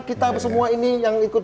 kita semua ini yang ikut